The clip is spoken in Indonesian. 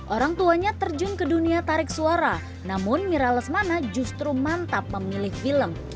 orang tuanya terjun ke dunia tarik suara namun mira lesmana justru mantap memilih film